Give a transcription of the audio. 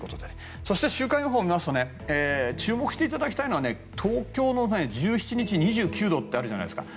週間予報を見ますと注目していただきたいのは東京の１７日、２９度ってあるじゃないですか。